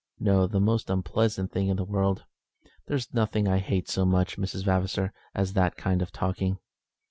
"No, the most unpleasant thing in the world. There's nothing I hate so much, Miss Vavasor, as that kind of talking.